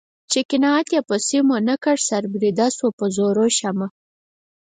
چې قناعت یې په سیم و نه کړ سر بریده شوه په زرو شمع